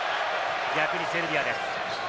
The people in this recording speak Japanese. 逆にセルビアです。